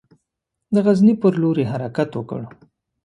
د غزني پر لور یې حرکت وکړ.